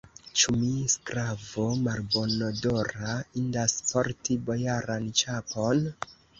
Ĉu mi, sklavo malbonodora, indas porti bojaran ĉapon?